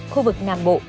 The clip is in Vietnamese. khu vực nam bộ